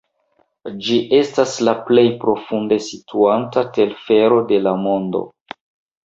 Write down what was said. Ĝi estas la plej profunde situanta telfero de la mondo.